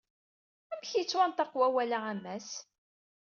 Amek yettwanṭaq wawal-a a mass?